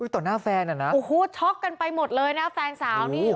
ต่อหน้าแฟนอ่ะนะโอ้โหช็อกกันไปหมดเลยนะแฟนสาวนี่